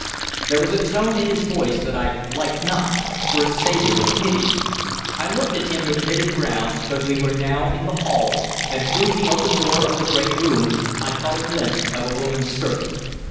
There was a tone in his voice that I liked not, for it savored of pity. I looked at him with knitted brows; but we were now in the hall, and through the open door of the great room I caught a glimpse of a woman's skirt.